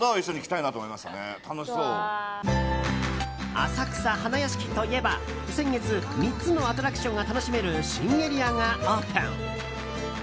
浅草花やしきといえば先月、３つのアトラクションが楽しめる新エリアがオープン！